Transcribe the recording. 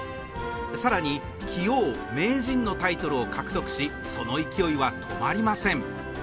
更に、棋王、名人のタイトルを獲得しその勢いは止まりません。